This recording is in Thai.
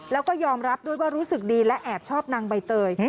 แล้วก็ยอมรับด้วยว่ารู้สึกดีและแอบชอบนางใบเตย